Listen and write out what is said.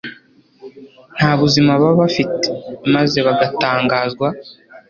Nta buzima baba bafite, maze bagatangazwa